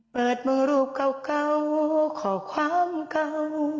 เปิดมือรูปเก่าขอความเก่า